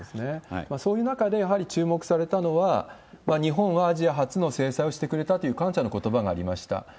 そういう中でやはり注目されたのは、日本はアジア初の制裁をしてくれたという感謝のことばがありました。